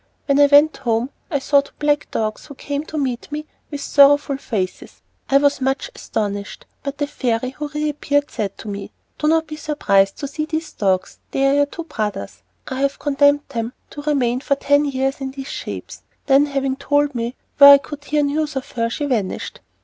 When I went home, I saw two black dogs who came to meet me with sorrowful faces. I was much astonished, but the fairy who reappeared said to me, "Do not be surprised to see these dogs; they are your two brothers. I have condemned them to remain for ten years in these shapes." Then having told me where I could hear news of her, she vanished.